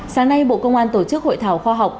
sáng nay bộ công an tổ chức hội thảo khoa học